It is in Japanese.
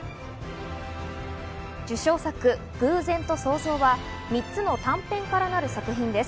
受賞作『偶然と想像』は３つの短編からなる作品です。